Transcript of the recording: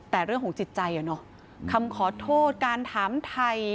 แต่เรื่องของจิตใจอ่ะเนอะคำขอโทษการถามไทย